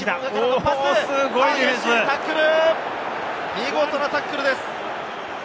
見事なタックルです。